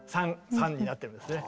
３になってるんですね。